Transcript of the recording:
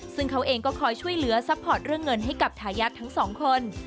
ซึ่งเขาเองก็คอยช่วยเหลือซัพพอร์ตเรื่องเงินให้กับทายาททั้งสองคน